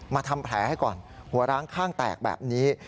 ทำแผลให้ก่อนหัวร้างข้างแตกแบบนี้